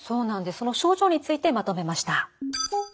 その症状についてまとめました。